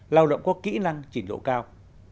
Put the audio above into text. lao động có kỹ năng trình độ cao